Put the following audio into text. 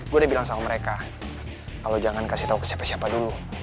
gue udah bilang sama mereka kalau jangan kasih tahu ke siapa siapa dulu